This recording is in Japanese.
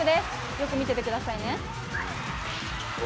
よく見ててくださいね。